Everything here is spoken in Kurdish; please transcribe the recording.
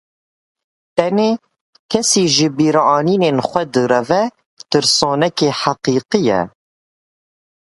Tenê, kesê ji bîranînên xwe direve, tirsonekê heqîqî ye.